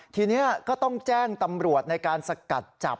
ทีนี้ก็ต้องแจ้งตำรวจในการสกัดจับ